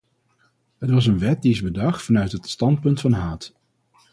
Het was een wet die is bedacht vanuit het standpunt van haat.